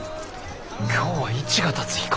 今日は市が立つ日か？